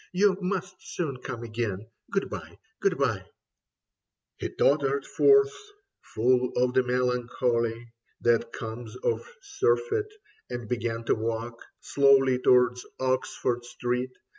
You must soon come again. Good bye, good bye. ... He tottered forth, full of the melancholy That comes of surfeit, and began to walk Slowly towards Oxford Street.